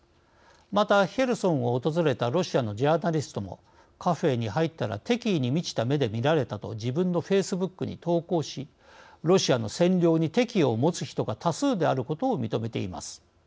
また、ヘルソンを訪れたロシアのジャーナリストもカフェに入ったら敵意に満ちた目で見られたと自分のフェイスブックに投稿しロシアの占領に敵意を持つ人が多数であることを認めています。